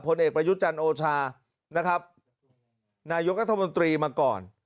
ผลเอกประยุทธ์จันทร์โอชานะครับนายกรัฐมนตรีมาก่อน